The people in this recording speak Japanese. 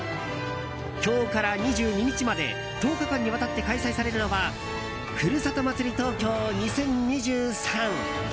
今日から２２日まで１０日間にわたって開催されるのは「ふるさと祭り東京２０２３」。